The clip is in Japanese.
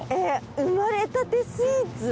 生まれたてスイーツ。